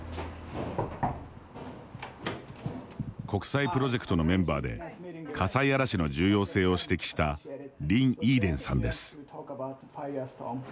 国際プロジェクトのメンバーで火災嵐の重要性を指摘したリン・イーデンさんです。